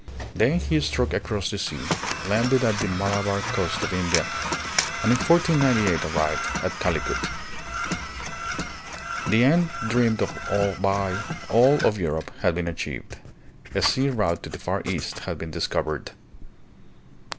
Then he struck across the sea, landed at the Malabar coast of India, and in 1498 arrived at Calicut. The end droamed of by all of Europe had been achieved. A sea route to the Far East had been discovered.